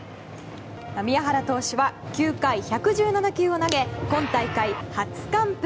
宮原投手は９回１１７球を投げ今大会、初完封。